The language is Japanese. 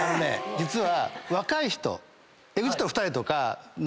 実は。